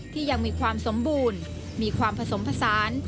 ยังมีความสมบูรณ์มีความผสมผสาน